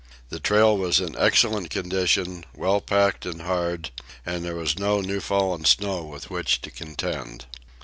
The trail was in excellent condition, well packed and hard, and there was no new fallen snow with which to contend.